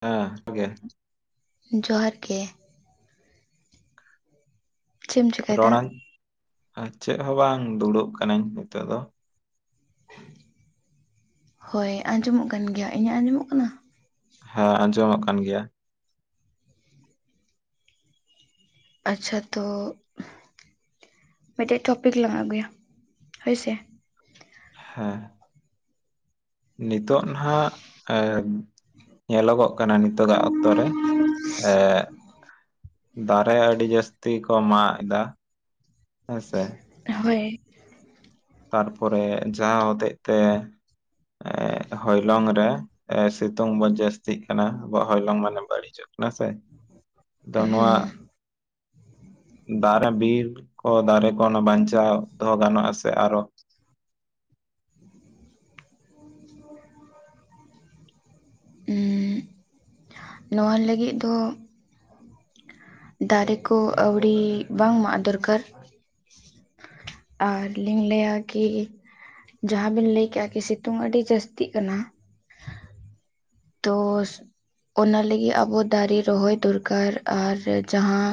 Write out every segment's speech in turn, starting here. ᱟ ᱜᱮᱭᱟ [unintelligible] ᱡᱚᱦᱟᱨ ᱜᱮ ᱪᱮᱫ ᱮᱢ ᱪᱮᱠᱟᱭᱮᱫᱟ ᱨᱚᱲᱟ ᱪᱮᱫ ᱦᱚᱸ ᱵᱟᱝ ᱫᱩᱲᱩᱵ ᱠᱟᱹᱱᱟᱹᱧ ᱱᱤᱛᱚᱜ ᱫᱚ ᱦᱳᱭ ᱟᱸᱡᱚᱢᱚᱜ ᱠᱟᱱ ᱜᱮᱭᱟ ᱤᱧᱟᱹᱜ ᱟᱸᱡᱚᱢᱚᱜ ᱠᱟᱱᱟ, ᱦᱮᱸ ᱟᱸᱡᱚᱢᱚᱜ ᱠᱟᱱ ᱜᱮᱭᱟ, ᱟᱪᱪᱷᱟ ᱛᱚ, ᱢᱤᱫᱴᱮᱡ ᱴᱚᱯᱤᱠ ᱞᱟᱝ ᱟᱹᱜᱩᱭᱟ ᱦᱳᱭᱥᱮ, ᱦᱮᱸ ᱱᱤᱛᱳ ᱱᱟᱟᱜ ᱮ ᱧᱮᱞᱚᱜᱚᱜ ᱠᱟᱱᱟ ᱱᱤᱛᱚᱜ ᱫᱚ ᱟᱛᱚ ᱨᱮ, ᱫᱟᱨᱮ ᱟᱹᱰᱤ ᱡᱟᱹᱥᱛᱤ ᱠᱚ ᱢᱟᱜ ᱮᱫᱟ ᱦᱮᱸᱥᱮ, ᱦᱳᱭ ᱛᱟᱨᱯᱚᱨᱮ ᱡᱟᱦᱟᱸ ᱦᱚᱛᱮᱡ ᱛᱮ, ᱦᱚᱭᱞᱚᱝ ᱨᱮ ᱥᱤᱛᱩᱝ ᱵᱚᱱ ᱡᱟᱹᱥᱛᱤᱜ ᱠᱟᱱᱟ ᱟᱵᱚᱣᱟᱜ ᱦᱚᱭᱞᱚᱝ ᱢᱟᱱᱮ ᱵᱟᱹᱲᱤᱡᱚᱜ ᱫᱚ ᱥᱮ ᱫᱚ ᱱᱚᱣᱟ, ᱦᱩᱸ ᱫᱟᱨᱮ ᱵᱤᱨ ᱠᱚ ᱫᱟᱨᱮ ᱠᱚ ᱚᱱᱟ ᱵᱟᱧᱪᱟᱣ ᱫᱚᱦᱚ ᱜᱟᱱᱚᱣᱜᱼᱟ ᱥᱮ ᱟᱨᱚ, ᱱᱚᱣᱟ ᱞᱟᱹᱜᱤᱫ ᱫᱚ ᱫᱟᱨᱮ ᱠᱚ ᱟᱹᱣᱲᱤ ᱵᱟᱝ ᱢᱟᱜ ᱫᱚᱨᱠᱟᱨ ᱟᱨ ᱞᱤᱧ ᱞᱟᱹᱭᱟ ᱠᱤ ᱡᱟᱦᱟᱸ ᱵᱤᱱ ᱞᱟᱹᱭᱠᱮᱜᱼᱟ ᱠᱤ ᱥᱤᱛᱩᱝ ᱟᱹᱰᱤ ᱡᱟᱹᱥᱛᱤᱜ ᱠᱟᱱᱟ! ᱛᱚ ᱚᱱᱟ ᱞᱟᱹᱜᱤᱫ ᱟᱵᱚ ᱫᱟᱨᱮ ᱨᱚᱦᱚᱭ ᱫᱚᱨᱠᱟᱨ ᱟᱨ ᱡᱟᱦᱟᱸ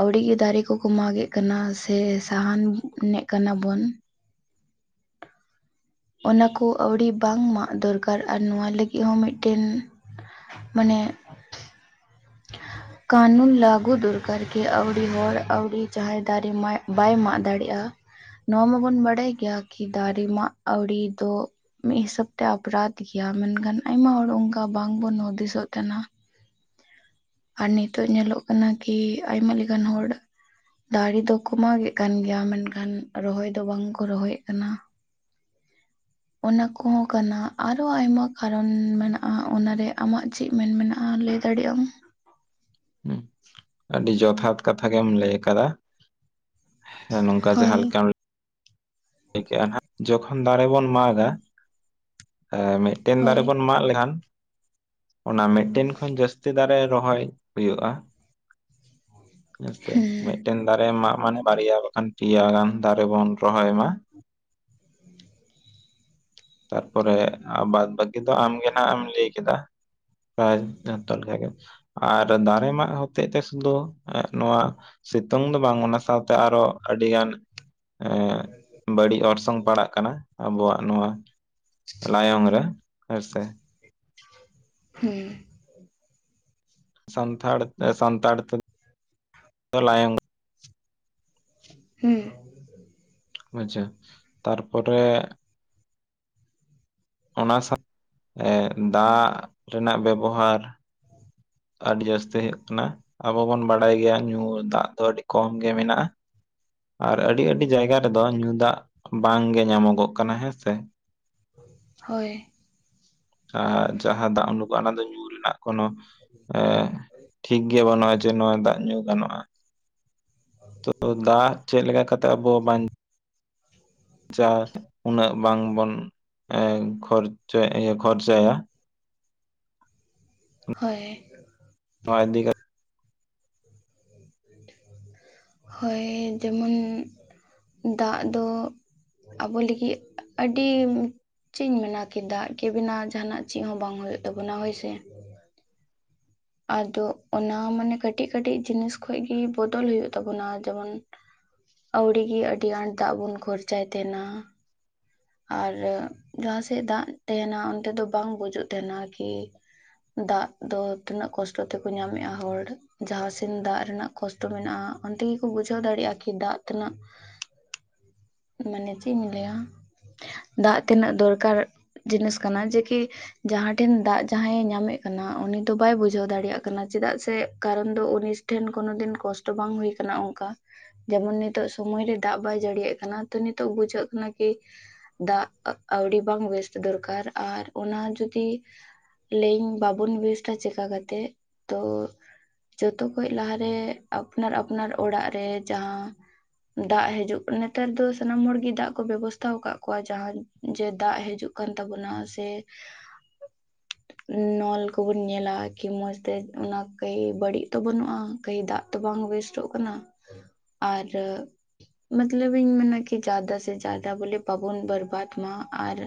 ᱟᱹᱣᱲᱤᱜ ᱜᱮ ᱫᱟᱨᱮ ᱠᱚᱠᱚ ᱢᱟᱜᱮᱫ ᱠᱟᱱᱟ ᱥᱮ ᱥᱟᱦᱟᱱᱮᱫ ᱠᱟᱱᱟ ᱵᱚᱱ ᱚᱱᱟ ᱠᱚ ᱟᱹᱣᱲᱤ ᱵᱟᱝ ᱢᱟᱜ ᱫᱚᱨᱠᱟᱨ ᱟᱨ ᱱᱚᱣᱟ ᱞᱟᱹᱜᱤᱫ ᱦᱚᱸ ᱢᱤᱫᱴᱮᱱ ᱢᱟᱱᱮ ᱮ [unintelligible] ᱠᱟᱹᱩᱱ ᱞᱟᱹᱜᱩ ᱫᱚᱨᱠᱟᱨ ᱠᱤ ᱟᱹᱣᱰᱤ ᱦᱚᱲ ᱟᱹᱣᱨᱤ ᱡᱟᱦᱟᱸᱭ ᱫᱟᱨᱮ ᱵᱟᱭ ᱢᱟᱜ ᱫᱟᱲᱮᱭᱟᱜᱼᱟ, ᱱᱚᱣᱟ ᱢᱟᱵᱚᱱ ᱵᱟᱰᱟᱭ ᱜᱮᱭᱟ ᱠᱤ ᱫᱟᱨᱮᱢᱟᱜ ᱟᱹᱣᱲᱤ ᱫᱚ ᱢᱤᱫ ᱦᱤᱥᱟᱹᱵ ᱛᱮ ᱟᱯᱨᱟᱫ ᱜᱮᱭᱟ ᱢᱮᱱᱠᱷᱟᱱ ᱟᱭᱢᱟ ᱦᱚᱲ ᱚᱱᱠᱟ ᱵᱟᱝᱵᱚᱱ ᱦᱩᱫᱤᱥᱚᱜ ᱛᱟᱦᱮᱱᱟ, ᱟᱨ ᱱᱤᱛᱚᱜ ᱧᱮᱞᱚᱜ ᱠᱟᱱᱟ ᱠᱤ ᱟᱭᱢᱟ ᱞᱮᱠᱟᱱ ᱦᱚᱲ ᱫᱟᱨᱮ ᱫᱚ ᱠᱚᱢᱟᱜᱮᱫ ᱠᱟᱱ ᱜᱮᱭᱟ ᱢᱮᱱᱠᱷᱟᱱ ᱨᱚᱦᱚᱭ ᱫᱚ ᱵᱟᱝ ᱠᱚ ᱨᱚᱦᱚᱭᱮᱫ ᱠᱟᱱᱟ ᱚᱱᱟ ᱠᱚᱦᱚᱸ ᱠᱟᱱᱟ ᱟᱨᱚ ᱟᱭᱢᱟ ᱠᱟᱨᱚᱱ ᱢᱮᱱᱟᱜᱼᱟ ᱚᱱᱟᱨᱮ ᱟᱢᱟᱜ ᱪᱮᱫ ᱢᱮᱱ ᱢᱮᱱᱟᱜᱼᱟ ᱞᱟᱹᱭ ᱫᱟᱲᱮᱭᱟᱜ ᱟᱢ, ᱦ ᱟᱹᱰᱤ ᱡᱚᱛᱷᱟᱛ ᱠᱟᱛᱷᱟ ᱜᱮᱢ ᱞᱟᱹᱭ ᱟᱠᱟᱫᱟ, ᱦᱮᱸ ᱱᱚᱝᱠᱟ ᱦᱳᱭ ᱡᱮᱦᱟ ᱞᱮᱠᱟ ᱟᱜ ᱡᱚᱠᱷᱚᱱ ᱫᱟᱨᱮ ᱵᱚᱱ ᱢᱟᱜᱟ ᱢᱤᱫᱴᱮᱱ ᱦᱳᱭ ᱫᱟᱨᱮ ᱵᱚᱱ ᱢᱟᱜ ᱞᱮᱠᱷᱟᱱ ᱚᱱᱟ ᱢᱤᱫᱴᱮᱱ ᱠᱷᱚᱱ ᱡᱟᱹᱥᱛᱤ ᱫᱟᱨᱮ ᱨᱚᱦᱚᱭ, ᱦᱩᱭᱩᱜᱼᱟ ᱦᱮᱸ ᱥᱮ ᱢᱤᱫ ᱦᱩᱸ ᱢᱤᱫᱴᱮᱱ ᱫᱟᱨᱮ ᱢᱟᱜ ᱢᱟᱱᱮ ᱵᱟᱨᱭᱟ ᱵᱟᱠᱷᱟᱱ ᱯᱭᱟ ᱜᱟᱱ ᱫᱟᱨᱮ ᱵᱚᱱ ᱨᱚᱦᱚᱭ ᱢᱟ, ᱯᱚᱨᱮ ᱟ ᱵᱟᱫᱽ ᱵᱟᱹᱠᱤ ᱫᱚ ᱟᱢᱜᱮ ᱱᱟᱜ ᱮᱢ ᱞᱟᱹᱭ ᱠᱮᱫᱟ ᱯᱨᱟᱭ ᱡᱚᱛᱚ ᱞᱮᱠᱟᱜ ᱜᱮ ᱟᱨ ᱫᱟᱨᱮ ᱢᱟᱜ ᱦᱚᱛᱮᱜ ᱛᱮ ᱥᱩᱫᱩ ᱱᱚᱣᱟ ᱥᱤᱛᱩᱝ ᱫᱚ ᱵᱟᱝ ᱚᱱᱟ ᱥᱟᱶ ᱛᱮ ᱟᱨᱚ ᱟᱹᱰᱤ ᱜᱟᱱ ᱮᱸᱜ ᱵᱟᱹᱲᱤᱡ ᱚᱨᱥᱚᱝ ᱯᱟᱲᱟᱜ ᱠᱟᱱᱟ ᱟᱵᱚᱣᱟᱜ ᱱᱚᱣᱟ ᱞᱟᱭᱚᱝ ᱨᱮ ᱦᱮ ᱥᱮ ᱦᱮᱸ ᱥᱟᱱᱛᱷᱟᱲ ᱛᱮ ᱥᱟᱱᱛᱟᱲ ᱛᱮᱫ ᱞᱟᱭᱚᱝ ᱦᱩᱸ ᱵᱩᱡᱷᱟᱹᱣ ᱛᱟᱨ ᱯᱚᱨᱮ ᱚᱱᱟ ᱥᱟᱛ ᱮ ᱫᱟᱜ ᱨᱮᱱᱟᱜ ᱵᱮᱵᱚᱦᱟᱨ ᱟᱹᱰᱤ ᱡᱟᱹᱥᱛᱤ ᱦᱩᱭᱩᱜ ᱠᱟᱱᱟ ᱟᱵᱚ ᱵᱚᱱ ᱵᱟᱲᱟᱭ ᱜᱮᱭᱟ ᱧᱩ ᱫᱟᱜ ᱫᱚ ᱟᱹᱰᱤ ᱠᱚᱢ ᱜᱮ ᱢᱮᱱᱟᱜᱼᱟ ᱟᱨ ᱟᱹᱰᱤ ᱟᱹᱰᱤ ᱡᱟᱭᱜᱟ ᱨᱮᱫᱚ ᱧᱩ ᱫᱟᱜ ᱵᱟᱝ ᱜᱮ ᱧᱟᱢᱚᱜᱚᱜ ᱠᱟᱱᱟ ᱦᱮᱸ ᱥᱮ [inaudible] ᱦᱳᱭ ᱟᱨ ᱡᱟᱦᱟᱸ ᱫᱟᱜ ᱩᱰᱩᱠᱚᱜᱼᱟ ᱚᱱᱟ ᱫᱚ ᱧᱩ ᱨᱮᱱᱟᱜ ᱠᱚᱱᱚ ᱮ ᱴᱷᱤᱠ ᱜᱮᱭᱟ ᱵᱟᱹᱱᱩᱜᱼᱟ, ᱡᱮ ᱫᱟᱜ ᱧᱩ ᱜᱟᱱᱚᱜᱼᱟ ᱦᱤᱛᱚ ᱫᱚ ᱫᱟᱜ ᱪᱮᱫ ᱞᱮᱠᱟ ᱠᱟᱛᱮ ᱟᱵᱚ ᱵᱟᱧ ᱪᱟ ᱩᱱᱟᱹᱜ ᱵᱟᱝ ᱵᱚᱱ ᱮ ᱠᱷᱚᱨᱪᱚᱭᱟ ᱮ ᱠᱷᱚᱨᱪᱟᱭᱟ ᱦᱚᱭ ᱱᱚᱣᱟ ᱤᱫᱤ ᱠᱟᱛ [inaudible] ᱦᱳᱭ ᱡᱮᱢᱚᱱ ᱫᱟᱜ ᱫᱚ ᱟᱵᱚ ᱞᱟᱹᱜᱤᱫ ᱟᱹᱰᱤᱢ ᱪᱮᱫ ᱤᱧ ᱢᱮᱱᱟ ᱠᱤ ᱫᱟᱜ ᱠᱤ ᱵᱮᱱᱟ ᱡᱟᱦᱟᱱᱟᱜ ᱪᱮᱫ ᱦᱚᱸ ᱵᱟᱝ ᱦᱩᱭᱩᱜ ᱛᱟᱵᱚᱱᱟ ᱦᱳᱭ ᱥᱮ ᱟᱫᱚ ᱚᱱᱟ ᱢᱟᱱᱮ ᱠᱟᱹᱴᱤᱡ ᱠᱟᱹᱴᱤᱡ ᱡᱤᱱᱤᱥ ᱠᱷᱚᱡ ᱜᱤ ᱵᱚᱫᱚᱞ ᱦᱩᱭᱩᱜ ᱛᱟᱵᱚᱱᱟ ᱡᱮᱢᱚᱱ ᱟᱹᱣᱲᱤ ᱜᱤ ᱟᱹᱰᱤ ᱟᱸᱴ ᱜᱟᱲ ᱫᱟᱜ ᱵᱚᱱ ᱠᱷᱚᱨᱪᱟᱭ ᱛᱟᱦᱮᱱᱟ ᱟᱨ ᱨᱟᱹᱜ ᱡᱟᱦᱟᱸ ᱥᱮᱫ ᱫᱟᱜ ᱛᱮᱦᱮᱱᱟ ᱚᱱᱛᱮ ᱫᱚ ᱵᱟᱝ ᱵᱩᱡᱟᱹᱜ ᱛᱟᱦᱮᱱᱟ ᱠᱤ ᱫᱟᱜ ᱫᱚ ᱛᱤᱱᱟᱹᱜ ᱠᱚᱥᱴᱚ ᱛᱮᱠᱚ ᱧᱟᱢᱮᱫᱼᱟ ᱦᱚᱲ ᱡᱟᱦᱟᱸ ᱥᱮᱱ ᱫᱟᱜ ᱨᱮᱱᱟᱜ ᱠᱚᱥᱴᱚ ᱢᱮᱱᱟᱜᱼᱟ ᱚᱱᱛᱮ ᱜᱮᱠᱚ ᱵᱩᱡᱷᱟᱹᱣ ᱫᱟᱲᱮᱭᱟᱜᱼᱟ ᱠᱤ ᱫᱟᱜ ᱛᱤᱱᱟᱹᱜ [inaudible] ᱢᱟᱱᱮ ᱪᱮᱫ ᱤᱧ ᱞᱟᱹᱭᱟ ᱫᱟᱜ ᱛᱤᱱᱟᱹᱜ ᱫᱚᱨᱠᱟᱨ ᱡᱤᱱᱤᱥ ᱠᱟᱱᱟ ᱡᱮᱠᱤ ᱡᱟᱦᱟᱸ ᱴᱷᱮᱱ ᱫᱟᱜ ᱡᱟᱦᱟᱸᱭᱮ ᱧᱟᱢᱮᱫ ᱠᱟᱱᱟ ᱩᱱᱤ ᱫᱚ ᱵᱟᱭ ᱵᱩᱡᱷᱟᱹᱣ ᱫᱟᱲᱮᱭᱟᱜ ᱠᱟᱱᱟ ᱪᱮᱫᱟᱜ ᱥᱮ ᱠᱟᱨᱚᱱ ᱫᱚ ᱩᱱᱤ ᱴᱷᱮᱱ ᱠᱳᱱᱳ ᱫᱤᱱ ᱠᱚᱥᱴᱚ ᱵᱟᱝ ᱦᱩᱭ ᱠᱟᱱᱟ ᱚᱱᱠᱟ ᱡᱮᱢᱚᱱ ᱱᱤᱛᱚᱜ ᱥᱚᱢᱚᱭ ᱨᱮ ᱫᱟᱜ ᱵᱟᱭ ᱡᱟᱹᱲᱤᱭᱟᱜ ᱠᱟᱱᱟ ᱛᱚ ᱱᱤᱛᱚᱜ ᱵᱩᱡᱷᱟᱹᱜ ᱠᱟᱱᱟ ᱠᱤ ᱫᱟᱜ ᱟᱹᱣᱲᱤ ᱵᱟᱝ ᱳᱭᱮᱥᱴ ᱫᱚᱨᱠᱟᱨ ᱟᱨ ᱚᱱᱟ ᱡᱩᱫᱤ ᱞᱟᱹᱭᱟᱹᱧ ᱵᱟᱵᱚᱱ ᱵᱮᱥᱴᱟ ᱪᱮᱠᱟ ᱠᱟᱛᱮᱜ ᱛᱚ ᱡᱚᱛᱚ ᱠᱷᱚᱡ ᱞᱟᱦᱟ ᱨᱮ ᱟᱯᱱᱟᱨ ᱟᱯᱱᱟᱨ ᱚᱲᱟᱜ ᱨᱮ ᱡᱟᱦᱟᱸ ᱫᱟᱜ ᱦᱤᱡᱩᱜ ᱠᱟᱱᱟ ᱱᱮᱛᱟᱨ ᱫᱚ ᱥᱟᱱᱟᱢ ᱦᱚᱲ ᱜᱤ ᱫᱟᱜ ᱠᱚ ᱵᱮᱵᱚᱥᱛ ᱛᱟᱣ ᱠᱟᱜ ᱠᱚᱣᱟ ᱡᱟᱦᱟᱸ ᱡᱮ ᱫᱟᱜ ᱦᱤᱡᱩᱜ ᱠᱟᱱ ᱛᱟᱵᱚᱱᱟ ᱥᱮ [inaudible] ᱱᱚᱞ ᱠᱚᱵᱚᱱ ᱧᱮᱞᱟ ᱠᱤ ᱢᱚᱸᱡᱽ ᱛᱮ ᱚᱱᱟ ᱠᱟᱹᱭ ᱵᱟᱹᱲᱤᱡ ᱛᱚ ᱵᱟᱹᱱᱩᱜ-ᱟ ᱠᱟᱹᱭ ᱫᱟ ᱛᱚ ᱵᱟᱝ ᱳᱭᱮᱥᱴᱚᱜ ᱠᱟᱱᱟ᱾ ᱟᱨ ᱢᱟᱛᱞᱟᱵ ᱤᱧ ᱢᱟᱱᱮᱭᱟ ᱠᱤ ᱡᱟᱫᱟ ᱥᱮ ᱡᱟ ᱫᱟ ᱵᱚᱞᱮ ᱵᱟᱵᱚᱱ ᱵᱟᱨᱵᱟᱫ ᱢᱟ ᱟᱨ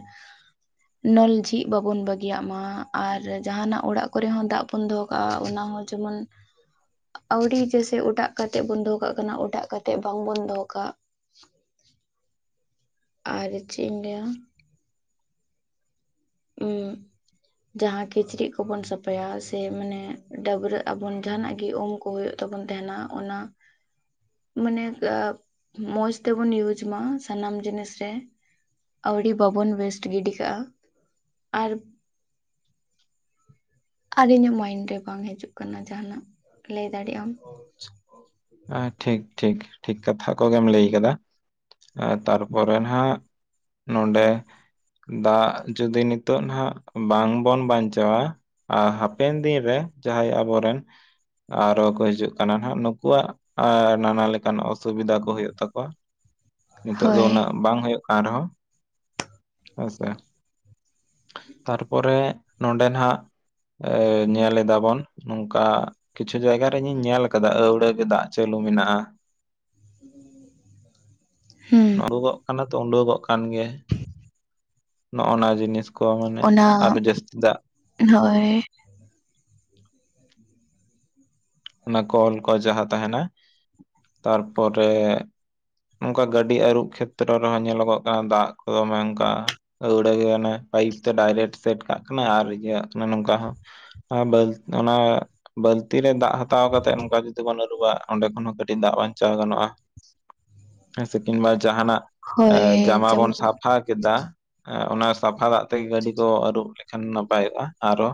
[inaudible] ᱱᱚᱞ ᱡᱷᱤᱡ ᱵᱟᱵᱚᱱ ᱵᱟᱹᱜᱤᱭᱟᱜ ᱢᱟ ᱟᱨ ᱡᱟᱦᱟᱱᱟᱜ ᱚᱲᱟᱜ ᱠᱚ ᱨᱮᱦᱚᱸ ᱫᱟᱜ ᱵᱚᱱ ᱫᱚᱦᱚ ᱠᱟᱜ-ᱟ ᱚᱱᱟ ᱦᱚᱸ ᱡᱮᱢᱚᱱ [inaudible] ᱟᱹᱣᱲᱤ ᱡᱮᱭᱥᱮ ᱚᱴᱟᱜ ᱠᱟᱛᱮᱫ ᱵᱚᱱ ᱫᱚᱦᱚ ᱠᱟᱜ ᱠᱟᱱᱟ ᱚᱴᱟᱜ ᱠᱟᱛᱮᱫ ᱵᱟᱝ ᱵᱚᱱ ᱫᱚᱦᱚ ᱠᱟᱜ ᱟᱨ ᱪᱮᱫ ᱤᱧ ᱞᱟᱹᱭᱟ [unintelligible] ᱡᱟᱦᱟᱸ ᱠᱤᱪᱨᱤᱡ ᱠᱚ ᱵᱚᱱ ᱥᱟᱯᱷᱟᱭᱟ ᱥᱮ ᱢᱟᱱᱮ ᱰᱟᱹᱵᱨᱟᱹᱜ ᱟᱵᱚᱱ ᱡᱟᱦᱟᱸᱱᱟᱜ ᱜᱤ ᱩᱢᱠᱩ ᱦᱩᱭᱩᱜ ᱛᱟᱵᱚᱱ ᱛᱟᱦᱮᱱᱟ ᱚᱱᱟ [inaudible] ᱢᱟᱱᱮ ᱢᱚᱸᱡᱽ ᱛᱮᱵᱚᱱ ᱤᱭᱩᱡ ᱢᱟ ᱥᱟᱱᱟᱢ ᱡᱤᱱᱤᱥ ᱨᱮ ᱟᱹᱣᱰᱤ ᱵᱟᱵᱚᱱ ᱣᱮᱥᱴ ᱜᱤᱰᱤ ᱠᱟᱜᱼᱟ ᱟᱨ ᱟᱨ ᱤᱧᱟᱹᱜ ᱢᱟᱭᱤᱱᱰ ᱨᱮ ᱵᱟᱝ ᱦᱤᱡᱩᱜ ᱠᱟᱱᱟ ᱡᱟᱦᱟᱱᱟᱜ ᱞᱟᱹᱭ ᱫᱟᱲᱮᱭᱟᱜ ᱟᱢ ᱦᱮᱸ ᱴᱷᱤᱠ ᱴᱷᱤᱠ ᱴᱷᱤᱠ ᱠᱟᱛᱷᱟ ᱠᱚᱜᱮᱢ ᱞᱟᱹᱭ ᱠᱟᱫᱟ ᱛᱟᱨᱯᱚᱨᱮ ᱦᱟᱸᱜ ᱱᱚᱰᱮ ᱫᱟᱜ ᱡᱩᱫᱤ ᱱᱤᱛᱚᱜ ᱱᱟᱦᱟᱜ ᱵᱟᱝᱵᱚᱱ ᱵᱟᱧᱪᱟᱣᱟ ᱦᱟᱯᱮᱱ ᱫᱤᱱ ᱨᱮ ᱡᱟᱦᱟᱸᱭ ᱟᱵᱚᱨᱮᱱ ᱟᱨᱚ ᱠᱚ ᱦᱤᱡᱩᱜ ᱠᱟᱱᱟ ᱱᱟᱦᱟᱜ ᱱᱩᱠᱩᱣᱟᱜ ᱱᱟᱱᱟ ᱞᱮᱠᱟᱱ ᱚᱥᱩᱵᱤᱫᱷᱟ ᱠᱚ ᱦᱩᱭᱩᱜ ᱛᱟᱠᱚᱣᱟ ᱱᱤᱛᱚᱜ ᱫᱚ ᱦᱳᱭ ᱩᱱᱟᱹᱜ ᱵᱟᱝ ᱦᱩᱭᱩᱜ ᱠᱟᱱ ᱨᱮᱦᱚᱸ ᱦᱮᱸ ᱥᱮ ᱛᱟᱨ ᱯᱚᱨᱮ ᱱᱚᱸᱰᱮ ᱱᱟᱦᱟᱜ ᱮᱭ ᱧᱮᱞ ᱮᱫᱟ ᱵᱚᱱ ᱱᱚᱝᱠᱟ ᱠᱤᱪᱷᱩ ᱡᱟᱭᱜᱟ ᱨᱮ ᱤᱧ ᱧᱮᱞ ᱠᱟᱫᱟ ᱟᱹᱣᱲᱟᱹ ᱜᱮ ᱫᱟᱜ ᱪᱟᱹᱞᱩ ᱢᱮᱱᱟᱜᱼᱟ ᱦᱩᱸ ᱱᱚᱰᱩᱜᱚᱜ ᱠᱟᱱᱟ ᱛᱚ ᱩᱰᱩᱜᱚᱜ ᱠᱟᱱ ᱜᱮᱭᱟ ᱱᱚᱜᱼᱱᱟ ᱡᱤᱱᱤᱥ ᱠᱚ ᱢᱟᱱᱮ ᱚᱱᱟ ᱟᱨ ᱡᱟᱹᱥᱛᱤ ᱫᱟᱜ ᱦᱳᱭ ᱚᱱᱟ ᱠᱚᱞ ᱠᱚ ᱡᱟᱦᱟᱸ ᱛᱟᱦᱮᱱᱟ ᱛᱟᱨᱯᱚᱨᱮ ᱱᱚᱝᱠᱟ ᱜᱟᱹᱰᱤ ᱟᱹᱨᱩᱵ ᱠᱷᱮᱛᱨᱚ ᱨᱮᱦᱚᱸ ᱧᱮᱞᱚᱜᱚᱜ ᱠᱟᱱᱟ ᱫᱟᱜ ᱠᱚ ᱫᱚᱢᱮ ᱚᱝᱠᱟ ᱟᱹᱣᱲᱟ ᱜᱮ ᱚᱱᱮ ᱯᱟᱭᱤᱯ ᱛᱮ ᱰᱟᱭᱨᱮᱠᱴ ᱥᱮᱴ ᱠᱟᱜ ᱠᱟᱱᱟ ᱟᱨ ᱤᱭᱟᱹ ᱢᱟᱱᱮ ᱱᱚᱝᱠᱟ ᱦᱚᱸ ᱚᱱᱟ ᱵᱟᱹᱞᱛᱤ ᱨᱮ ᱫᱟᱜ ᱦᱟ ᱛᱟᱣ ᱠᱟᱛᱮ ᱱᱚᱝᱠᱟ ᱡᱩᱫᱤ ᱵᱚᱱ ᱟᱹᱨᱩᱵᱟ ᱚᱸᱰᱮ ᱠᱷᱚᱱ ᱦᱚᱸ ᱠᱟᱹᱴᱤᱡ ᱫᱟᱜ ᱵᱟᱧᱪᱟᱣ ᱜᱟᱱᱚᱜᱼᱟ ᱥᱮ ᱠᱤᱱᱵᱟ ᱡᱟᱦᱱᱟᱜ ᱦᱳᱭ ᱡᱟᱢᱟ ᱵᱚᱱ ᱡᱮᱢᱚᱱ ᱥᱟᱯᱷᱟ ᱠᱮᱫᱟ ᱚᱱᱟ ᱥᱟᱯᱷᱟ ᱫᱟᱜ ᱛᱮᱜᱮ ᱜᱟᱹᱰᱤ ᱠᱚ ᱟᱹᱨᱩᱵ ᱞᱮᱠᱷᱟᱱ ᱱᱟᱯᱟᱭᱚᱜᱼᱟ ᱟᱨᱚ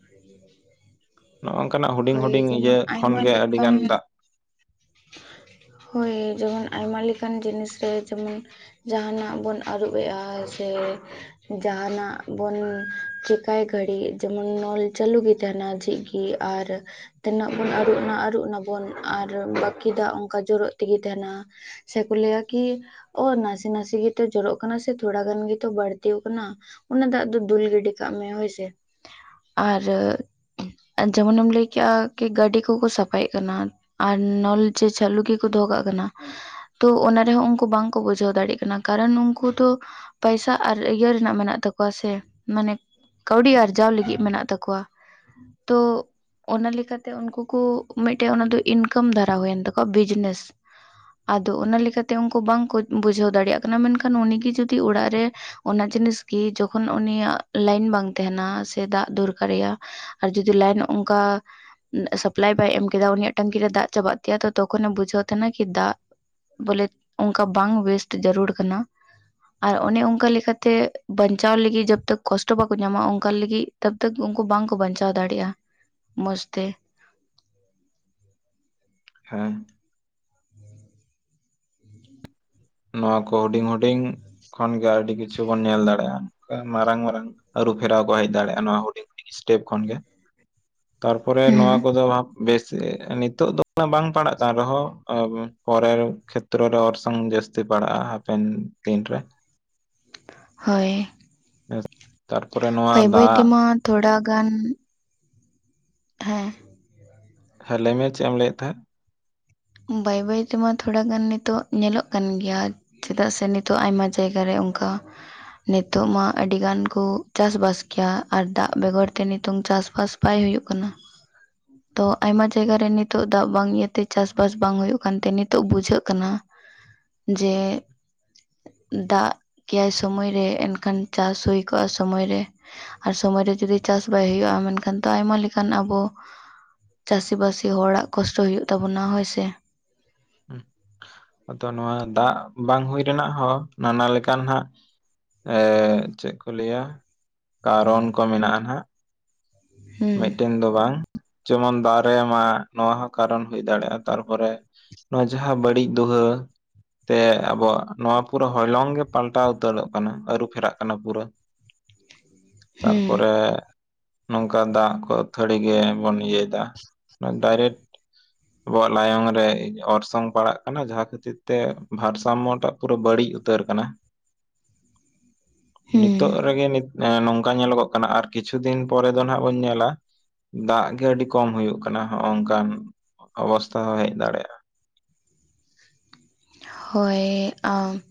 [inaudible] ᱱᱚᱜᱼᱚ ᱱᱚᱠᱟᱱᱟᱜ ᱦᱩᱰᱤᱧ ᱦᱳᱭ ᱦᱩᱰᱤᱧ ᱡᱮᱢᱚᱱ ᱤᱭᱟᱹ ᱠᱷᱚᱱ ᱟᱭᱢᱟ ᱜᱮ ᱟᱹᱰᱤ ᱜᱟᱱ ᱞᱮᱠᱟᱱ ᱫᱟᱜ ᱦᱳᱭ ᱡᱮᱢᱚᱱ ᱟᱭᱢᱟ ᱞᱮᱠᱟᱱ ᱡᱤᱱᱤᱥ ᱨᱮ ᱡᱮᱢᱚᱱ ᱡᱟᱦᱟᱱᱟᱜ ᱵᱚᱱ ᱟᱹᱨᱩᱵᱮᱜᱼᱟ ᱥᱮ ᱡᱟᱦᱟᱱᱟᱜ ᱵᱚᱱ ᱪᱮᱠᱟᱭ ᱜᱷᱟᱹᱲᱤᱡ ᱡᱮᱢᱚᱱ ᱱᱚᱞ ᱪᱟᱹᱞᱩ ᱜᱮ ᱛᱟᱦᱮᱱᱟ ᱡᱷᱤᱡ ᱜᱮ ᱟᱨ ᱛᱤᱱᱟᱹᱜ ᱵᱚᱱ ᱟᱹᱨᱩᱵ ᱱᱟ ᱟᱹᱨᱩᱵ ᱱᱟᱵᱚᱱ ᱟᱨ ᱵᱟᱹᱠᱤ ᱫᱟᱜ ᱚᱱᱠᱟ ᱡᱚᱨᱚᱜ ᱛᱮᱜᱮ ᱛᱟᱦᱮᱱᱟ ᱥᱮ ᱠᱚ ᱞᱟᱹᱭᱟ ᱠᱤ ᱚ ᱱᱟᱥᱮ ᱱᱟᱥᱮ ᱜᱮᱛᱚ ᱡᱚᱨᱚᱜ ᱠᱟᱱᱟ ᱥᱮ ᱛᱷᱚᱲᱟ ᱜᱟᱱ ᱜᱮᱛᱚ ᱵᱟᱹᱲᱛᱤ ᱠᱟᱱᱟ ᱚᱱᱟ ᱫᱟᱜ ᱫᱚ ᱫᱩᱞ ᱜᱤᱰᱤ ᱠᱟᱜ ᱢᱮ ᱦᱳᱭᱥᱮ ᱟᱨ ᱡᱮᱢᱚᱱᱮᱢ ᱞᱟᱹᱭᱠᱮᱜᱼᱟ ᱠᱤ ᱜᱟᱹᱰᱤ ᱠᱚᱠᱚ ᱥᱟᱯᱷᱟᱭᱮᱫ ᱠᱟᱱᱟ ᱟᱨ ᱱᱚᱞ ᱡᱮ ᱪᱟᱹᱞᱩ ᱜᱮᱠᱚ ᱫᱚᱦᱚ ᱠᱟᱜ ᱠᱟᱱᱟ ᱛᱚ ᱚᱱᱟ ᱨᱮᱦᱚᱸ ᱩᱱᱠᱩ ᱵᱟᱝᱠᱚ ᱵᱩᱡᱷᱟᱹᱣ ᱫᱟᱲᱮᱭᱟᱜ ᱠᱟᱱᱟ ᱠᱟᱨᱚᱱ ᱩᱱᱠᱩ ᱫᱚ ᱯᱟᱭᱥᱟ ᱟᱨ ᱤᱭᱟᱹ ᱨᱮᱱᱟᱜ ᱢᱮᱱᱟᱜ ᱛᱟᱠᱚᱣᱟ ᱥᱮ, ᱢᱟᱱᱮ ᱠᱟᱹᱣᱰᱤ ᱟᱨᱡᱟᱣ ᱞᱟᱹᱜᱤᱫ ᱢᱮᱱᱟᱜ ᱛᱟᱠᱚᱣᱟ᱾ ᱛᱚᱻ᱾ ᱚᱱᱟ ᱞᱮᱠᱟᱛᱮ ᱩᱱᱠᱩ ᱠᱚ ᱢᱤᱫᱴᱮᱡ ᱚᱱᱟᱫᱚ ᱤᱱᱠᱟᱢ ᱫᱷᱟᱨᱟ ᱦᱩᱭᱮᱱ ᱛᱟᱠᱚᱣᱟ ᱵᱤᱡᱽᱱᱮᱥ᱾ ᱟᱫᱚ ᱚᱱᱟ ᱞᱮᱠᱟᱛᱮ ᱩᱱᱠᱩ ᱵᱟᱝᱠᱚ ᱵᱩᱡᱷᱟᱹᱣ ᱫᱟᱲᱮᱭᱟᱜ ᱠᱟᱱᱟ, ᱢᱮᱱᱠᱷᱟᱱ ᱩᱱᱤᱜ ᱜᱮ ᱡᱩᱫᱤ ᱚᱲᱟᱜ ᱨᱮ ᱚᱱᱟ ᱡᱤᱱᱤᱥ ᱜᱮ ᱡᱚᱠᱷᱚᱱ ᱩᱱᱤᱭᱟᱜ ᱞᱟᱭᱤᱱ ᱵᱟᱝ ᱛᱟᱦᱮᱸᱱᱟ ᱥᱮ ᱫᱟᱜ ᱫᱚᱨᱠᱟᱨᱮᱭᱟ ᱟᱨ ᱡᱚᱫᱤ ᱞᱟᱭᱤᱱ ᱚᱱᱠᱟ, ᱥᱟᱯᱞᱟᱭ ᱵᱟᱭ ᱮᱢ ᱠᱮᱫᱟ ᱩᱱᱤᱭᱟᱜ ᱴᱝᱠᱤ ᱨᱮ ᱫᱟᱜ ᱪᱟᱵᱟᱜ ᱛᱟᱭᱟ᱾ ᱛᱚ ᱛᱚᱠᱷᱚᱱᱮ ᱵᱩᱡᱷᱟᱹᱣ ᱛᱟᱦᱮᱸᱱᱟ ᱠᱤ ᱫᱟᱜ ᱵᱚᱞᱮ ᱚᱱᱠᱟ ᱵᱟᱝ ᱚᱭᱮᱥᱴ ᱡᱟᱹᱨᱩᱲ ᱠᱟᱱᱟ᱾ ᱟᱨ ᱚᱱᱮ ᱚᱱᱠᱟ ᱞᱮᱠᱟᱛᱮ ᱵᱟᱧᱪᱟᱣ ᱞᱟᱹᱜᱤᱜ ᱡᱚᱛᱚ ᱠᱚᱥᱴᱚ ᱵᱟᱠᱚ ᱧᱟᱢᱟ ᱚᱱᱠᱟ ᱞᱟᱹᱜᱤᱜ ᱛᱚᱵᱛᱚᱠ ᱩᱱᱠᱩ ᱵᱟᱝᱠᱚ ᱵᱟᱧᱪᱟᱣ ᱫᱟᱲᱮᱭᱟᱜᱼᱟ᱾ ᱢᱚᱸᱡᱽ ᱛᱮ ᱦᱮᱸᱻ᱾ ᱱᱚᱣᱟ ᱠᱚ ᱦᱩᱰᱤᱧ ᱦᱩᱰᱤᱧ ᱠᱷᱚᱱ ᱜᱮᱮ ᱟᱹᱰᱤ ᱠᱤᱪᱷᱩ ᱵᱚᱱ ᱧᱮᱞ ᱠᱷᱚᱱ ᱜᱮ ᱟᱹᱰᱤ ᱠᱤᱪᱷᱩ ᱵᱚᱱ ᱧᱮᱞ ᱫᱟᱲᱮᱜᱼᱟ᱾ ᱢᱟᱨᱟᱝ ᱢᱟᱨᱟᱝ ᱟᱹᱨᱩ ᱯᱷᱮᱨᱟᱣ ᱠᱚ ᱦᱮᱡ ᱫᱟᱲᱮᱜᱼᱟ᱾ ᱱᱚᱣᱟ ᱦᱩᱰᱤᱧ ᱤᱥᱴᱮᱯ ᱠᱷᱚᱱ ᱜᱮ ᱛᱟᱨᱯᱚᱨᱮ ᱱᱚᱣᱟ ᱦᱩᱸ ᱠᱚᱫᱚ ᱵᱮᱥ ᱱᱤᱛᱚᱜ ᱫᱚ ᱩᱱᱟᱹᱜ ᱵᱟᱝ ᱯᱟᱲᱟᱜ ᱠᱟᱱ ᱨᱮᱦᱚᱸ ᱯᱚᱨᱮᱨ ᱠᱷᱮᱛᱨᱚ ᱨᱮ, ᱚᱨᱥᱚᱝ ᱡᱟᱹᱥ ᱛᱤ ᱯᱟᱲᱟᱜᱼᱟ ᱦᱟᱯᱮᱱ ᱫᱤᱱ ᱨᱮ᱾ ᱦᱳᱭ ᱛᱟᱨᱯᱚᱨᱮ ᱱᱚᱣᱟ ᱵᱟᱹᱭᱻ ᱵᱟᱹᱭ ᱫᱟᱜ ᱛᱮᱢᱟ ᱛᱷᱚᱲᱟ ᱜᱟᱱ ᱦᱮᱸᱻ᱾ ᱦᱮᱸ ᱞᱟᱹᱭ ᱢᱮ ᱪᱮᱜ ᱮᱢ ᱞᱟᱹᱭᱮᱜ ᱛᱟᱦᱮᱸᱜ? ᱵᱟᱹᱭ ᱵᱟᱹᱭ ᱛᱮᱢᱟ ᱛᱷᱚᱲᱟ ᱜᱟᱱ ᱱᱤᱛᱚᱜ ᱧᱮᱞᱚᱜ ᱠᱟᱱ ᱜᱮᱭᱟ᱾ ᱪᱮᱫᱟᱜ ᱥᱮ ᱱᱤᱛᱚᱜ ᱟᱭᱢᱟ ᱡᱟᱭᱜᱟ ᱨᱮ ᱚᱝᱠᱟ ᱱᱤᱛᱚᱜ ᱢᱟ ᱟᱹᱰᱤ ᱜᱟᱱ ᱠᱚ ᱪᱟᱥᱵᱟᱥ ᱠᱮᱭᱟ᱾ ᱟᱨ ᱫᱟᱜ ᱵᱮᱜᱚᱨ ᱛᱮ ᱱᱤᱛᱳᱝ ᱪᱟᱥᱵᱟᱥ ᱵᱟᱭ ᱦᱩᱭᱩᱜ ᱠᱟᱱᱟ᱾ [inaudible] ᱛᱚ ᱟᱭᱢᱟ ᱡᱟᱭᱜᱟ ᱨᱮ ᱱᱤᱛᱚᱜ ᱫᱟᱜ ᱵᱟᱝ ᱤᱭᱟᱹᱛᱮ ᱪᱟᱥ ᱵᱟᱥ ᱵᱟᱝ ᱦᱩᱭᱩᱜ ᱠᱟᱱᱛᱮ ᱱᱤᱛᱚᱜ ᱵᱩᱡᱷᱟᱹᱜ ᱠᱟᱱᱟ, ᱡᱮ ᱫᱟᱜ ᱠᱮᱭᱟᱭ ᱥᱚᱢᱚᱭ ᱨᱮ ᱮᱱᱠᱷᱟᱱ ᱪᱟᱥ ᱦᱩᱭ ᱠᱚᱜᱼᱟ, ᱥᱚᱢᱚᱭ ᱨᱮ᱾ ᱟᱨ ᱥᱚᱢᱚᱭ ᱨᱮ ᱡᱩᱫᱤ ᱪᱟᱥ ᱵᱟᱭ ᱦᱩᱭᱩᱜᱼᱟ᱾ ᱢᱮᱱᱠᱷᱟᱱ ᱫᱚ ᱟᱭᱢᱟ ᱞᱮᱠᱟᱱ ᱟᱵᱚ ᱪᱟᱹᱥᱤ ᱵᱟᱹᱥᱤ ᱦᱚᱲᱟᱜ ᱠᱚᱥᱴᱚ ᱦᱩᱭᱩᱜ ᱛᱟᱵᱚᱱᱟ ᱦᱳᱭ ᱥᱮ? ᱟᱫᱚ ᱱᱚᱣᱟ ᱫᱟᱜ ᱵᱟᱝ ᱦᱩᱭ ᱨᱮᱱᱟᱜ ᱦᱚᱸ ᱱᱟᱱᱟ ᱞᱮᱠᱟᱱ ᱦᱟᱸᱜ ᱮᱻ ᱪᱮᱜ ᱠᱚ ᱞᱟᱹᱭᱟ ᱠᱟᱨᱚᱱ ᱠᱚ ᱢᱮᱱᱟᱜᱼᱟ ᱱᱟᱜ᱾ ᱦᱩᱸ ᱢᱤᱫᱴᱮᱱ ᱫᱚ ᱵᱟᱝ ᱡᱮᱢᱚᱱ ᱫᱟᱨᱮ ᱢᱟᱜ᱾ ᱱᱚᱣᱟ ᱦᱚᱸ ᱠᱟᱨᱚᱱ ᱦᱩᱭ ᱫᱟᱲᱮᱜᱼᱟ᱾ ᱛᱟᱨᱯᱚᱨᱮ ᱱᱚᱣᱟ ᱡᱟᱦᱟᱸ ᱵᱟᱹᱲᱤᱡ ᱫᱩᱣᱟᱹ, ᱛᱮ ᱟᱵᱚᱣᱟᱜ ᱱᱚᱣᱟ ᱯᱩᱨᱟᱹ ᱦᱚᱭᱞᱚᱝ ᱜᱮ ᱯᱟᱞᱴᱟᱣ ᱩᱛᱟᱹᱨᱚᱜ ᱠᱟᱱᱟ᱾ ᱟᱹᱨᱩ ᱯᱷᱮᱨᱟᱜ ᱠᱟᱱᱟ ᱯᱩᱨᱟᱹ ᱦᱩᱸ ᱛᱟᱨᱯᱚᱨᱮᱻ᱾ ᱠᱟ ᱫᱟᱜ ᱠᱚ ᱟᱹᱛᱷᱟᱹᱲᱤ ᱜᱮᱵᱚᱱ ᱤᱭᱟᱹᱭ ᱫᱟ᱾ ᱰᱟᱭᱨᱮᱠᱴ ᱟᱵᱚᱣᱟᱜ ᱞᱟᱭᱚᱝ ᱨᱮ ᱚᱨᱥᱚᱝ ᱯᱟᱲᱟᱜ ᱠᱟᱱᱟ᱾ ᱡᱟᱦᱟᱸ ᱠᱷᱟᱹᱛᱤᱨ ᱛᱮ ᱵᱷᱟᱨᱥᱟᱢᱢᱚ ᱴᱟᱜ ᱯᱩᱨᱟᱹ ᱵᱟᱹᱲᱤᱡ ᱩᱛᱟᱹᱨ ᱠᱟᱱᱟ᱾ ᱦᱩᱸ ᱱᱤᱛᱚᱜ ᱨᱮᱜᱮ ᱱᱤᱛᱼᱱᱚᱝᱠᱟ ᱧᱮᱞᱚᱜᱚᱜ ᱠᱟᱱᱟ, ᱟᱨ ᱠᱤᱪᱷᱩ ᱫᱤᱱ ᱯᱚᱨᱮ ᱫᱚ ᱱᱟᱜ ᱵᱚᱱ ᱧᱮᱞᱟ ᱫᱟᱜ ᱜᱮ ᱟᱹᱰᱤ ᱠᱚᱢ ᱦᱩᱭᱩᱜ ᱠᱟᱱᱟ᱾ ᱦᱚᱜ ᱚᱝᱠᱟᱱ ᱚᱵᱚᱥᱛᱷᱟ ᱦᱚᱸ ᱦᱮᱡ ᱫᱟᱲᱮᱭᱟᱜᱼᱟ᱾ ᱦᱳᱭᱻ ᱟᱸᱻ᱾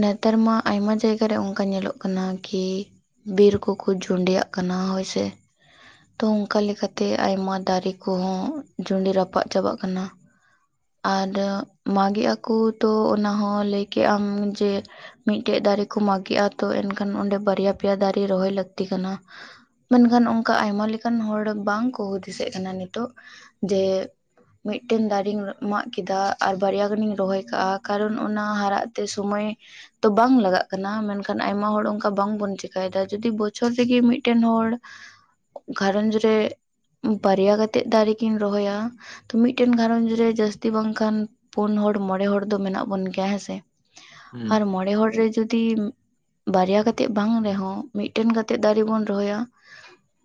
ᱱᱮᱛᱟᱨ ᱢᱟ ᱟᱭᱢᱟ ᱡᱟᱭᱜᱟ ᱨᱮ ᱚᱝᱠᱟ ᱧᱮᱞᱚᱜ ᱠᱟᱱᱟ, ᱠᱤ ᱵᱤᱨ ᱠᱚᱠᱚ ᱡᱚᱸᱰᱮᱭᱟᱜ ᱠᱟᱱᱟ ᱦᱳᱭ ᱥᱮ᱾ ᱛᱚ ᱚᱝᱠᱟ ᱞᱮᱠᱟ ᱛᱮ ᱟᱭᱢᱟ ᱫᱟᱨᱮ ᱠᱚᱦᱚᱸ ᱡᱩᱰᱤ ᱨᱟᱯᱟᱜ ᱪᱟᱵᱟᱜ ᱠᱟᱱᱟ᱾ ᱟᱨ ᱢᱟᱜᱮᱜ ᱟᱠᱚ ᱛᱚ ᱚᱱᱟ ᱦᱚᱸ ᱞᱟᱹᱭ ᱠᱮᱜ ᱟᱢ ᱡᱮ ᱢᱤᱜᱴᱮᱡ ᱫᱟᱨᱮ ᱠᱚ ᱢᱟᱜᱮᱜᱼᱟ ᱛᱚ ᱮᱱᱠᱷᱟᱱ ᱚᱸᱰᱮ ᱵᱟᱨᱭᱟ ᱯᱮᱭᱟ ᱫᱟᱨᱮ ᱨᱚᱦᱚᱭ ᱞᱟᱹᱜᱛᱤ ᱠᱟᱱᱟ᱾ ᱢᱮᱱᱠᱷᱟᱱ ᱚᱝᱠᱟ ᱟᱭᱢᱟ ᱞᱮᱠᱟᱱ ᱦᱚᱲ ᱵᱟᱝ ᱠᱚ ᱦᱩᱫᱤᱥᱮᱜ ᱠᱟᱱᱟ, ᱱᱤᱛᱚᱜ ᱡᱮ ᱢᱤᱫᱴᱮᱱ ᱫᱟᱨᱮᱧ ᱢᱟᱜ ᱠᱮᱫᱟ ᱟᱨ ᱵᱟᱨᱭᱟ ᱜᱟᱱᱤᱧ ᱨᱚᱦᱚᱭ ᱠᱟᱜᱼᱟ, ᱠᱟᱨᱚᱱ ᱚᱱᱟ ᱦᱟᱨᱟᱜ ᱛᱮ ᱥᱚᱢᱚᱭ ᱛᱚ ᱵᱟᱝ ᱞᱟᱜᱟᱜ ᱠᱟᱱᱟ᱾ ᱢᱮᱱᱠᱷᱟᱱ ᱟᱭᱢᱟ ᱦᱚᱲ ᱚᱝᱠᱟ ᱵᱟᱝᱵᱚᱱ ᱪᱮᱠᱟᱭ ᱫᱟ᱾ ᱡᱚᱫᱤ ᱵᱚᱪᱷᱚᱨ ᱨᱮᱜᱮ ᱢᱤᱫᱴᱮᱱ ᱦᱚᱲ ᱜᱷᱟᱸᱨᱚᱡᱽ ᱨᱮ ᱵᱟᱨᱭᱟ ᱠᱟᱛᱮᱜ ᱫᱟᱨᱮ ᱠᱤᱱ ᱨᱚᱦᱚᱭᱟ ᱛᱚ ᱢᱤᱫᱴᱮᱱ ᱜᱷᱟᱸᱨᱚᱡᱽ ᱨᱮ ᱡᱟᱹᱥᱛᱤ ᱵᱟᱝᱠᱷᱟᱱ ᱯᱳᱱ ᱦᱚᱲ ᱢᱚᱬᱮ ᱦᱚᱲ ᱫᱚ ᱢᱮᱱᱟᱜ ᱵᱚᱱ ᱜᱮᱭᱟ ᱦᱮᱸᱥᱮ ᱦᱩᱸ ᱟᱨ ᱢᱚᱬᱮ ᱦᱚᱲ ᱨᱮ ᱡᱩᱫᱤᱢ ᱵᱟᱨᱭᱟ ᱠᱟᱛᱮᱜ ᱵᱟᱝ ᱨᱮᱦᱚᱸ ᱢᱤᱫᱴᱮᱱ ᱠᱟᱛᱮᱜ ᱫᱟᱨᱮ ᱵᱚᱱ ᱨᱚᱦᱚᱭᱟ᱾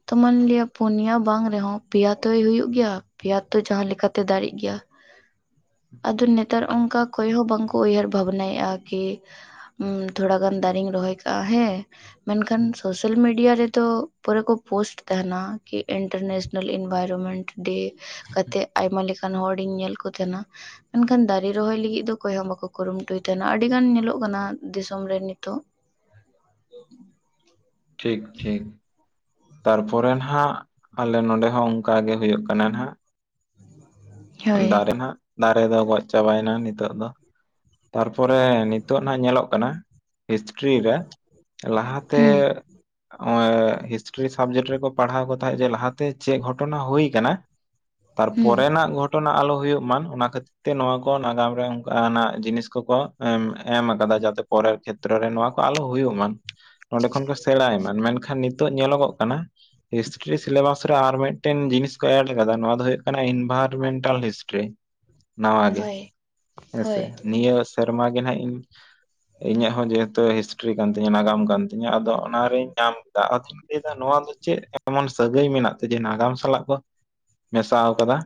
ᱛᱚ ᱢᱟᱱᱞᱤᱭᱟ ᱯᱩᱱᱭᱟ ᱵᱟᱝ ᱨᱮᱦᱚᱸ ᱯᱮᱭᱟ ᱛᱚᱭ ᱦᱩᱭᱩᱜ ᱜᱮᱭᱟ? ᱯᱮᱭᱟ ᱛᱚ ᱡᱟᱦᱟᱸ ᱞᱮᱠᱟᱛᱮ ᱫᱟᱲᱮᱜ ᱜᱮᱭᱟ ᱟᱫᱚ ᱱᱮᱛ ᱱᱮᱛᱟᱨ ᱚᱝᱠᱟ ᱚᱠᱚᱭ ᱦᱚᱸ ᱵᱟᱝᱠᱚ ᱩᱭᱦᱟᱹᱨ ᱵᱷᱟᱵᱽᱱᱟᱭᱮᱜᱼᱟ ᱠᱤ ᱛᱷᱚᱲᱟ ᱜᱟᱱ ᱫᱟᱨᱮᱧ ᱨᱚᱦᱚᱭ ᱠᱟᱜᱼᱟ, ᱦᱮᱸ ᱦᱩᱸ, ᱢᱮᱱᱠᱷᱟᱱ ᱥᱳᱥᱟᱞ ᱢᱤᱰᱤᱭᱟ ᱨᱮᱫᱚ ᱠᱚᱨᱮ ᱠᱚ ᱯᱳᱥᱴ ᱛᱟᱦᱮᱸᱱᱟ ᱠᱤ ᱤᱱᱴᱟᱨᱱᱮᱥᱱᱮᱞ ᱤᱱᱵᱟᱭᱨᱢᱮᱱᱴ ᱰᱮ, ᱠᱟᱛᱮᱜ ᱟᱭᱢᱟ ᱞᱮᱠᱟᱱ ᱦᱚᱲᱤᱧ ᱧᱮᱞ ᱠᱚ ᱛᱟᱦᱮᱸᱱᱟ ᱮᱱᱠᱷᱟᱱ ᱫᱟ ᱫᱟᱨᱮ ᱨᱚᱦᱚᱭ ᱞᱟᱹᱜᱤᱜ ᱫᱚ ᱚᱠᱚᱭ ᱦᱚᱸ ᱵᱟᱠᱚ ᱠᱩᱨᱩᱢᱩᱴᱩᱭ ᱛᱟᱦᱮᱸᱱᱟ ᱟᱹᱰᱤ ᱜᱟᱱ ᱧᱮᱞᱚᱜ ᱠᱟᱱᱟ ᱫᱤᱥᱚᱢ ᱨᱮ ᱱᱤᱛᱚᱜ ᱴᱷᱤᱠ ᱴᱷᱤᱠ ᱛᱟᱨᱯᱚᱨᱮ ᱱᱟᱦᱜ ᱟᱞᱮ ᱱᱚᱰᱮ ᱦᱚᱸ ᱚᱝᱠᱟ ᱜᱮ ᱦᱩᱭᱩᱜ ᱠᱟᱱᱟ ᱱᱟᱜ᱾ ᱦᱳᱭ ᱫᱟᱜᱨᱮᱱᱟᱜ ᱫᱟᱨᱮ ᱫᱚ ᱜᱚᱡ ᱪᱟᱵᱟᱭ ᱱᱟ ᱱᱤᱛᱚᱜ ᱫᱚ᱾ ᱛᱟᱨᱯᱚᱨᱮ ᱱᱤᱛᱚᱜ ᱱᱟᱜ ᱧᱮᱞᱚᱜ ᱠᱟᱱᱟ ᱦᱤᱥᱴᱨᱤ ᱨᱮ ᱞᱟᱦᱟ ᱛᱮᱻ ᱦᱩᱸ ᱱᱚᱜ-ᱚᱭ ᱦᱤᱥᱴᱨᱤ ᱥᱟᱵᱽᱡᱮᱠᱴ ᱨᱮᱠᱚ ᱯᱟᱲᱦᱟᱣ ᱠᱚ ᱛᱟᱦᱮᱸᱫ ᱡᱮ ᱞᱟᱦᱟᱛᱮ ᱪᱮᱫ ᱜᱷᱚᱴᱚᱱᱟ ᱦᱩᱭ ᱟᱠᱟᱱᱟ᱾ ᱦᱩᱸ ᱛᱟᱨᱯᱚᱨᱮ ᱱᱟᱦᱟᱜ ᱜᱷᱚᱴᱚᱱᱟ ᱟᱞᱚ ᱦᱩᱭᱩᱜ ᱢᱟ ᱚᱱᱟ ᱠᱷᱟᱹᱛᱤᱨ ᱛᱮ ᱱᱚᱣᱟ ᱠᱚ ᱱᱟᱜᱟᱢ ᱨᱮ ᱚᱱᱠᱟᱱᱟᱜ ᱡᱤᱱᱤᱥ ᱠᱚᱠᱚ ᱮᱢ ᱟᱠᱟᱫᱟ ᱡᱟᱛᱮ ᱯᱚᱨᱮᱨ ᱠᱷᱮᱛᱨᱚ ᱨᱮ ᱱᱚᱣᱟ ᱠᱚ ᱟᱞᱚ ᱦᱩᱭᱩᱜ ᱢᱟ᱾ ᱱᱚᱸᱰᱮ ᱠᱷᱚᱱ ᱠᱚ ᱥᱮᱬᱟᱭ ᱢᱟ ᱢᱮᱱᱠᱷᱟᱱ ᱱᱤᱛᱚᱜ ᱧᱮᱞᱚᱜᱚᱜ ᱠᱟᱱᱟ ᱦᱤᱥᱴᱨᱤ ᱥᱤᱞᱮᱵᱟᱥ ᱨᱮ ᱟᱨ ᱢᱤᱫᱴᱮᱱ ᱡᱤᱱᱤᱥ ᱠᱚ ᱮᱰ ᱠᱟᱫᱟ, ᱱᱚᱣᱟ ᱫᱚ ᱦᱩᱭᱩᱜ ᱠᱟᱱᱟ ᱤᱱᱵᱷᱟᱨᱟᱨᱢᱮᱱᱴᱟᱞ ᱦᱤᱥᱴᱨᱤ ᱱᱟᱣᱟ ᱜᱮ ᱦᱳᱭ ᱦᱮᱸᱥᱮ ᱦᱳᱭ ᱱᱤᱭᱟᱹ ᱥᱮᱨᱢᱟ ᱜᱮ ᱱᱟᱦᱟᱜ ᱤᱧ ᱤᱧᱟᱹᱜ ᱦᱚᱸ ᱡᱮᱦᱮᱛᱩ ᱦᱤᱥᱴᱨᱤ ᱠᱟᱱ ᱛᱤᱧᱟᱹ ᱱᱟᱜᱟᱢ ᱠᱟᱱ ᱛᱤᱧᱟᱹ ᱟᱫᱚ ᱚᱱᱟᱨᱤᱧ ᱧᱟᱢ ᱮᱟ᱾ ᱞᱟᱹᱭᱟ ᱱᱚᱣᱟ ᱫᱚ ᱪᱮᱫ ᱮᱢᱚᱱ ᱥᱟᱹᱜᱟᱹᱭ ᱢᱮᱱᱟᱜ ᱛᱮ ᱡᱮ ᱱᱟᱜᱟᱢ ᱥᱟᱞᱟᱜ ᱠᱚ ᱢᱮᱥᱟ ᱠᱟᱫᱟ?